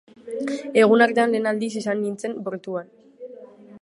Egun hartan lehen aldiz izan nintzen bortuan!